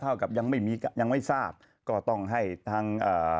กับยังไม่มียังไม่ทราบก็ต้องให้ทางอ่า